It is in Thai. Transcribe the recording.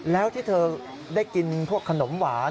แล้วที่เธอได้กินพวกขนมหวาน